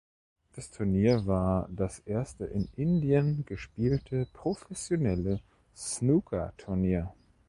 Das Turnier war das erste in Indien gespielte professionelle Snookerturnier.